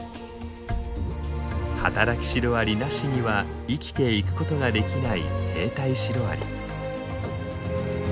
働きシロアリなしには生きていくことができない兵隊シロアリ。